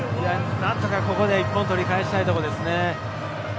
何とかここで１本取り返したいところですね。